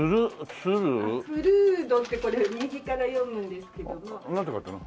「富瑠都」ってこれ右から読むんですけども。なんて書いてあるの？